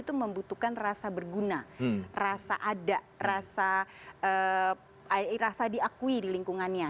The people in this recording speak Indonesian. itu membutuhkan rasa berguna rasa ada rasa diakui di lingkungannya